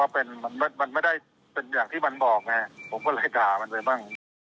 มันไม่ได้เป็นอย่างที่มันบอกไงผมก็เลยด่ามันไปบ้าง